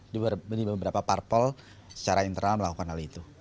di beberapa parpol secara internal melakukan hal itu